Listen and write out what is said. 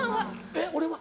えっ俺は？